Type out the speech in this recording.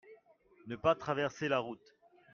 ne pas traverser la route.